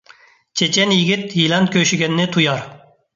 چېچەن يىگىت يىلان كۆشىگەننى تۇيار